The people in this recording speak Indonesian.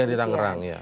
yang di tangerang ya